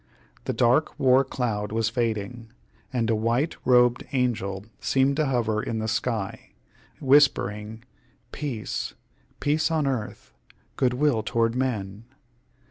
The dark war cloud was fading, and a white robed angel seemed to hover in the sky, whispering "Peace peace on earth, good will toward men!"